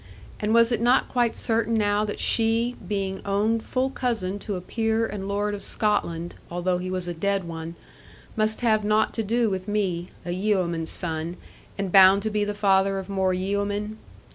And was it not quite certain now that she, being owned full cousin to a peer and lord of Scotland (although he was a dead one), must have nought to do with me, a yeoman's son, and bound to be the father of more yeomen?